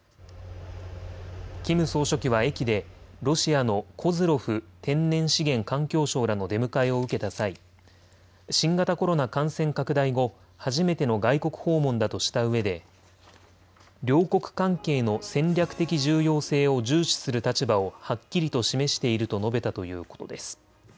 キム総書記は駅でロシアのコズロフ天然資源環境相らの出迎えを受けた際、新型コロナ感染拡大後、初めての外国訪問だとしたうえで両国関係の戦略的重要性を重視する立場をはっきりと示していると述べたということです。